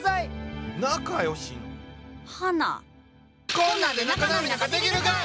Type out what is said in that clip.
こんなんで仲直りなんかできるかい！